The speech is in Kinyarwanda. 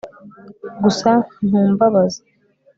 gusa ntumbabaza